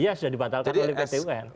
iya sudah dibatalkan oleh pt un